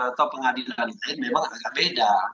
atau pengadilan lain memang agak beda